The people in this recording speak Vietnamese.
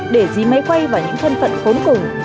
để dí máy quay vào những thân phận cốn cùng